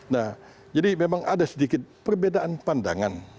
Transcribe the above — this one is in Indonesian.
nah jadi memang ada sedikit perbedaan pandangan